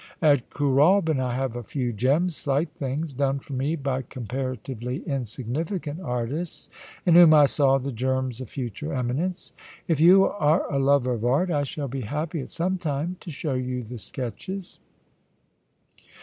At Kooralbyn I have a few gems, slight things, done for me by comparatively insignificant artists, in whom I saw the germs of future eminence. If you are a lover of art, I shall be happy at some time to show you the sketches.'